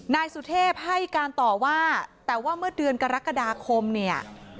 นายสุเทพให้การต่อว่าแต่ว่าเมื่อเดือนกรกฎาคมเนี่ย